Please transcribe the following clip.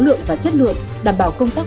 lượng và chất lượng đảm bảo công tác